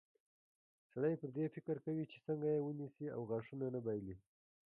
سړی پر دې فکر کوي چې څنګه یې ونیسي او غاښونه نه بایلي.